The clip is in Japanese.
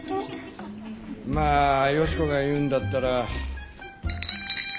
まあ芳子が言うんだったら。